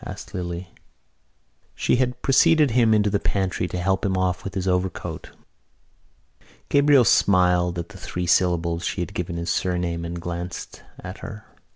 asked Lily. She had preceded him into the pantry to help him off with his overcoat. Gabriel smiled at the three syllables she had given his surname and glanced at her.